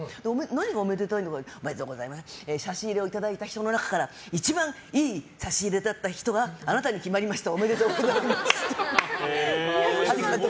何がおめでたいのかって差し入れをいただいた人の中から一番いい差し入れの人はあなたに決まりました。